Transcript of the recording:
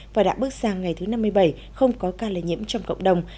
và đã bước sang ngày thứ năm mươi bảy không có ca lây nhiễm trong cộng đồng